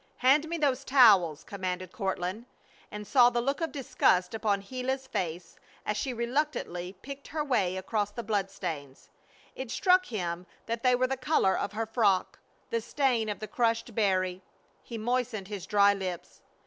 "Hand me those towels," commanded Courtland, and saw the look of disgust upon Gila's face as she reluctantly picked her way across the blood stains. It struck him that they were the color of her frock. The stain of the crushed berry. He moistened his dry lips.